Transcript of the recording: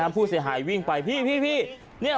ผู้เสียหายวิ่งไปพี่